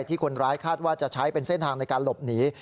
ที่คนร้ายคาดว่าจะใช้เป็นเส้นทางในการหลบหนี